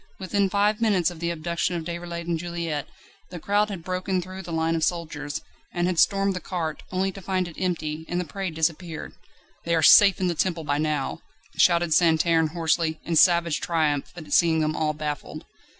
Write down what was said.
Within five minutes of the abduction of Déroulède and Juliette the crowd had broken through the line of soldiers, and had stormed the cart, only to find it empty, and the prey disappeared. "They are safe in the Temple by now!" shouted Santerne hoarsely, in savage triumph at seeing them all baffled.